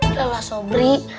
udah lah sobri